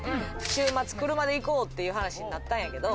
週末、車で行こうって話になったんやけど。